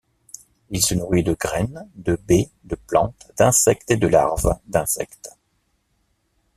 Il se nourrit de graines, de baies, de plantes, d'insectes et de larves d'insectes.